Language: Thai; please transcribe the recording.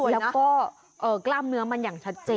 แล้วก็กล้ามเนื้อมันอย่างชัดเจน